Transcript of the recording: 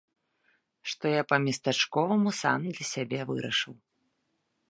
Што я па-местачковаму сам для сябе вырашыў.